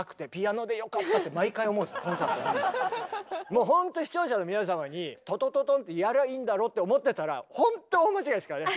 もうほんと視聴者の皆様にトトトトンってやりゃいいんだろって思ってたらほんと大間違いですからね！